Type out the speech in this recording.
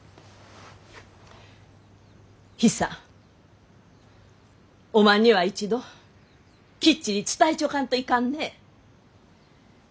ヒサおまんには一度きっちり伝えちょかんといかんね。